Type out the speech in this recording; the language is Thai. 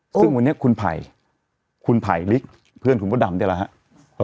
ซึ่งวันนี้คุณภัยคุณภัยลิกเพื่อนคุณหมดดำได้แล้วฮะ